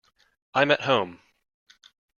I'm at home.